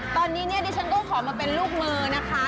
ตอนนี้เนี่ยดิฉันก็ขอมาเป็นลูกมือนะคะ